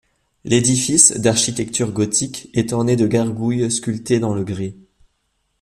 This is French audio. L'édifice, d'architecture gothique, est ornée de gargouilles sculptées dans le grés.